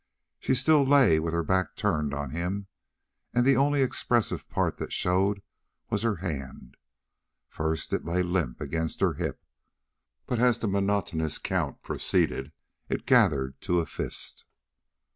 She still lay with her back turned on him, and the only expressive part that showed was her hand. First it lay limp against her hip, but as the monotonous count proceeded it gathered to a fist.